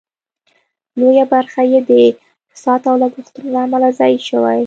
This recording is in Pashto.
لویه برخه یې د فساد او لګښتونو له امله ضایع شوې.